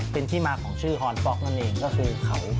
เป็นที่มาของชื่อฮอนป๊อกนั่นเองก็คือเขา